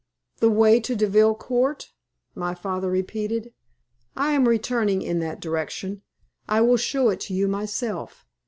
"The way to Deville Court?" my father repeated. "I am returning in that direction. I will show it to you myself.